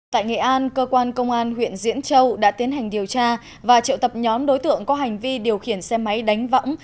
tại nghệ an cơ quan công an huyện diễn châu đã tiến hành điều tra và triệu tập nhóm đối tượng có hành vi điều khiển xe máy đánh võng